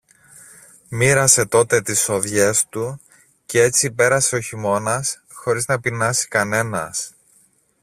Μοίρασε τότε τις σοδειές του, κι έτσι πέρασε ο χειμώνας χωρίς να πεινάσει κανένας.